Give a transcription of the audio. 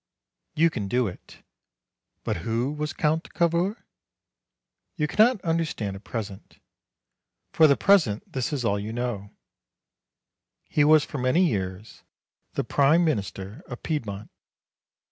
You can do it. But who was Count Cavour? You cannot understand at present. For the present this is all you know : he was for many years the prime minister of Piedmont.